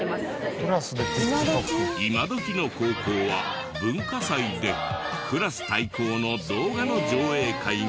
今どきの高校は文化祭でクラス対抗の動画の上映会も。